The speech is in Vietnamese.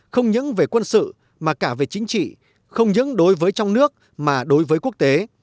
không những về quân sự mà cả về chính trị không những đối với trong nước mà đối với quốc tế